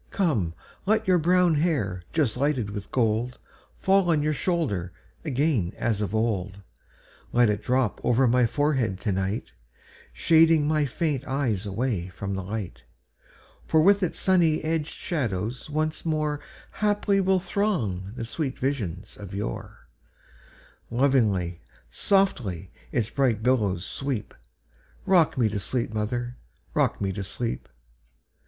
Come, let your brown hair, just lighted with gold, Fall on your shoulders again as of old; Let it drop over my forehead to night, Shading my faint eyes away from the light; For with its sunny edged shadows once moreHaply will throng the sweet visions of yore; Lovingly, softly, its bright billows sweep;—Rock me to sleep, mother,—rock me to sleep!